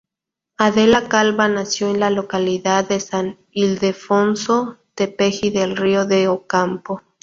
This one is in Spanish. Adela Calva nació en la localidad de San Ildefonso, Tepeji del Río de Ocampo.